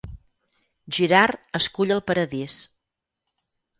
Girard escull el paradís.